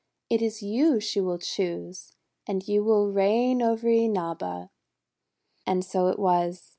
It is you she will choose, and you will reign over Inaba." And so it was.